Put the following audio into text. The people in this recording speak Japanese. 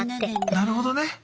なるほどね。